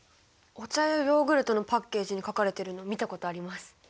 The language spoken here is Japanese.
お茶やヨーグルトのパッケージに書かれているの見たことあります。